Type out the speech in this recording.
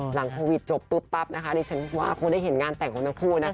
หลังโควิดจบปุ๊บปั๊บนะคะดิฉันว่าคงได้เห็นงานแต่งของทั้งคู่นะคะ